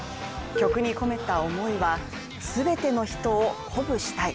曲に込めた思いは「全ての人を鼓舞したい」